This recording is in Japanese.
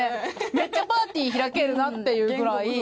めっちゃパーティー開けるなっていうぐらいすごいよね。